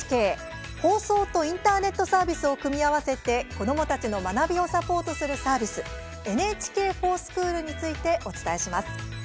放送とインターネットサービスを組み合わせて子どもたちの学びをサポートするサービス「ＮＨＫｆｏｒＳｃｈｏｏｌ」についてお伝えします。